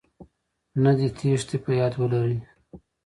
نه دې تېښتې.په ياد ولرئ